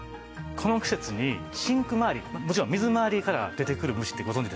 この季節にシンクまわりもちろん水回りから出てくる虫ってご存じですか？